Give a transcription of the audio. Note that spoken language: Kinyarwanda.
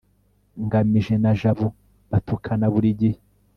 ngamije na jabo batukana buri gihe